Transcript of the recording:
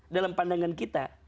dalam pandangan kita